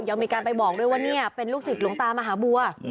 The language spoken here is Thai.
ยังมีการไปบอกด้วยว่าเนี่ยเป็นลูกศิษย์หลวงตามหาบัว